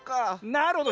なるほど。